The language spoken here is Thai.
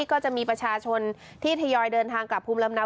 ก็จะมีประชาชนที่ทยอยเดินทางกลับภูมิลำเนา